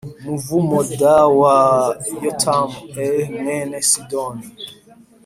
umuvumod wa Yotamu e mwene sidoni